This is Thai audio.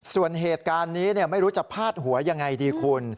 ส่วนเหตุการณ์นี้ไม่รู้จะพาดหัวยังไงดีคุณ